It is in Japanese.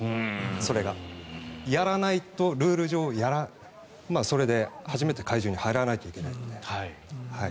それが。やらないとルール上それで初めて会場に入らないといけないので。